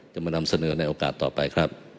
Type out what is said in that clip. จะมานำเสนอในโอกาสต่อไปครับ